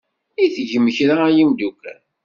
I tgem kra a imeddukal?